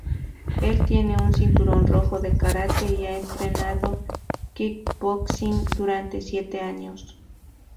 Él tiene un cinturón rojo de karate y ha entrenado kickboxing durante siete años.